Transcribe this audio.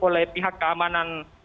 oleh pihak keamanan